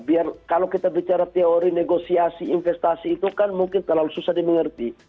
biar kalau kita bicara teori negosiasi investasi itu kan mungkin terlalu susah dimengerti